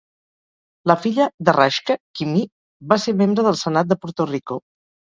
La filla de Raschke, Kimmey, va ser membre del Senat de Puerto Rico.